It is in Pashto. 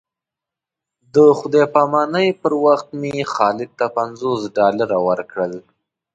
د خدای په امانۍ پر وخت مې خالد ته پنځوس ډالره ورکړل.